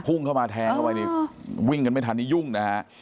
พุ่งเข้ามาแทงเข้าไปนี่วิ่งกันไม่ทันนี่ยุ่งนะฮะ